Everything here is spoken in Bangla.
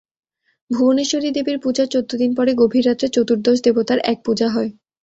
ভুবনেশ্বরী দেবীর পূজার চৌদ্দ দিন পরে গভীর রাত্রে চতুদর্শ দেবতার এক পূজা হয়।